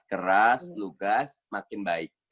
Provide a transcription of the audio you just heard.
keras lugas makin baik